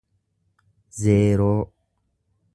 zeeroo